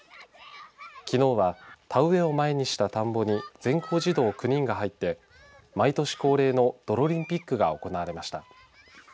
きのうは田植えを前にした田んぼに全校児童９人が入って毎年恒例のどろりんピックが行われました。